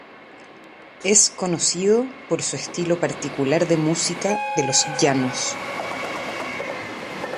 Es conocido por su estilo particular de música de los Llanos.